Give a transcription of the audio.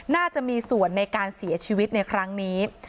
น่าจะมีส่วนในการเสียชีวิตในครั้งนี้